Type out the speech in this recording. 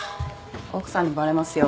奥さんにバレますよ。